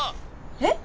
えっ？